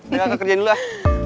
ayo kakak kerjain dulu lah